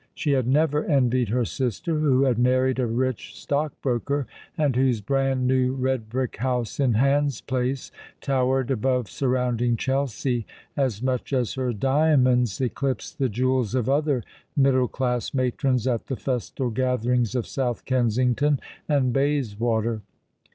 She had 20 All along the River. never envied her sister, who had married a rich stockbroker, and whose brand new red brick house in Hans Place towered above surrounding Chelsea as much as her diamonds eclipsed the jewels of other middle class matrons at the festal gather ings of South Kensington and Bayswater.